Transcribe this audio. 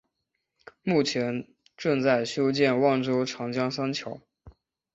目前正在修建万州长江三桥。